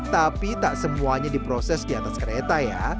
tapi tak semuanya diproses di atas kereta ya